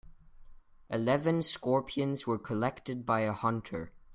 Eleven scorpions were collected by a hunter.